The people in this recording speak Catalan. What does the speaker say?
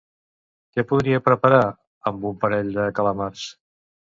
Què podria preparar amb un parell de calamars?